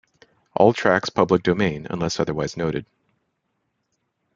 All tracks public domain unless otherwise noted.